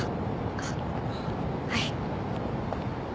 あっはい。